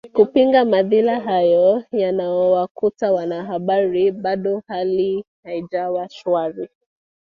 kupinga madhila hayo yanayowakuta wanahabari bado hali haijawa shwari